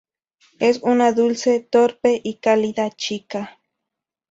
Es una dulce, torpe y cálida chica.